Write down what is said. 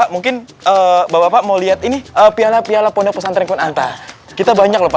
mungkin bapak mau lihat ini piala piala pondok pesantren kunanta kita banyak lupa